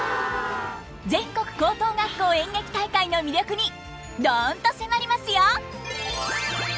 全国高等学校演劇大会の魅力にどんと迫りますよ。